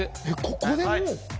ここでもう？